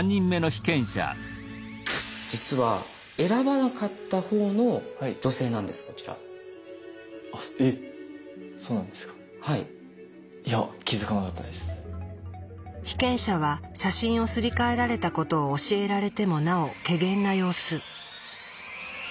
被験者は写真をすり替えられたことを教えられてもなおけげんな様子。